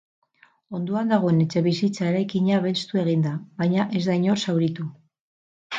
Ondoan dagoen etxebizitza eraikina belztu egin da, baina ez da inor zauritu.